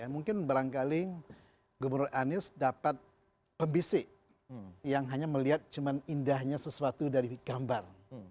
mungkin barangkali gubernur anies dapat pembisik yang hanya melihat cuma indahnya sesuatu dari gambar